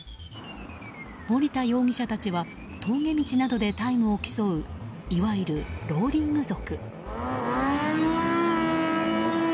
森田容疑者たちは峠道などでタイムを競ういわゆるローリング族。